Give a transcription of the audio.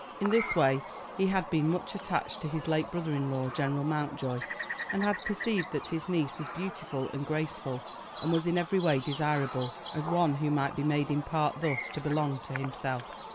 In this way he had been much attached to his late brother in law, General Mountjoy, and had perceived that his niece was beautiful and graceful, and was in every way desirable, as one who might be made in part thus to belong to himself.